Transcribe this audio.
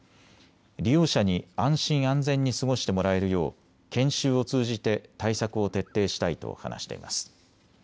利用者に安心、安全に過ごしてもらえるよう研修を通じて対策を徹底したいと話しています。